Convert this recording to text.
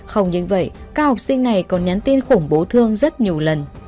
không những vậy các học sinh này còn nhắn tin khủng bố thương rất nhiều lần